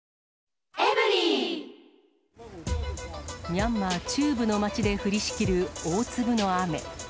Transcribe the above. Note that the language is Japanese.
ミャンマー中部の町で降りしきる大粒の雨。